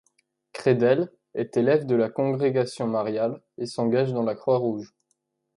Kredel est élève de la congrégation mariale et s'engage dans la Croix-Rouge.